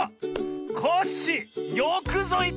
コッシーよくぞいった！